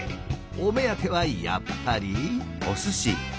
お目当てはやっぱり。